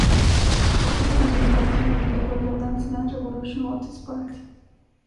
Esta canción aparece en el videojuego Dance Dance Revolution Hottest Party.